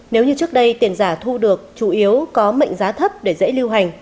nếu như trước đây tiền giả thu được chủ yếu có mệnh giá thấp để dễ lưu hành